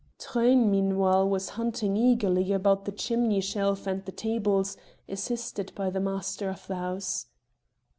Truyn meanwhile was hunting eagerly about the chimney shelf and the tables, assisted by the master of the house.